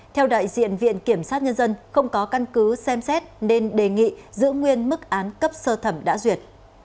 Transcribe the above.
theo đại diện viện kiểm sát nhân dân không có căn cứ xem xét nên đề nghị giữ nguyên mức án cấp sơ thẩm đã duyệt